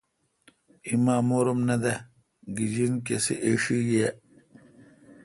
ایمامور ام نہ دہ۔ گجین کسے ایݭی یہ۔